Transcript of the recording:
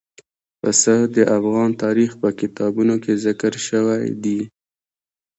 پسه د افغان تاریخ په کتابونو کې ذکر شوی دي.